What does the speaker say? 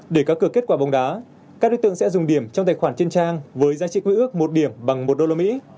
để có cửa kết quả bóng đá các đối tượng sẽ dùng điểm trong tài khoản trên trang với giá trị quý ước một điểm bằng một đô la mỹ